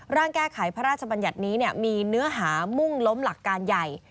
ร่างแก้ไขพระราชบัญญัตินี้มีเนื้อหามุ่งล้มหลักการใหญ่